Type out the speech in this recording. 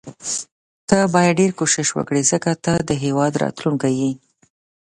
ته باید ډیر کوښښ وکړي ځکه ته د هیواد راتلوونکی یې.